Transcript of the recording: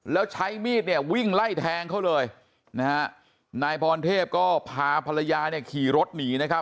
แล้วใช้มีดเนี่ยวิ่งไล่แทงเขาเลยนะฮะนายพรเทพก็พาภรรยาเนี่ยขี่รถหนีนะครับ